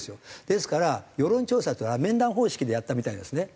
ですから世論調査っていうのは面談方式でやったみたいですね。